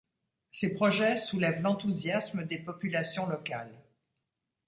Ces projets soulèvent l’enthousiasme des populations locales.